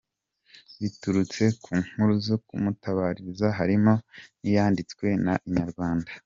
Biturutse ku nkuru zo kumutabariza harimo niyanditswe na inyarwanda.